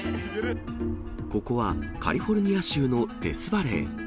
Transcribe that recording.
ここはカリフォルニア州のデスバレー。